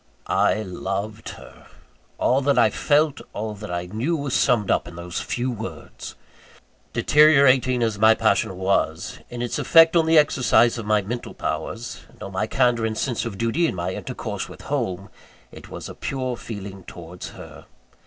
I loved her! All that I felt, all that I knew, was summed up in those few words! Deteriorating as my passion was in its effect on the exercise of my mental powers, and on my candour and sense of duty in my intercourse with home, it was a pure feeling towards _her.